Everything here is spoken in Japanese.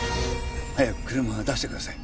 早く車を出してください。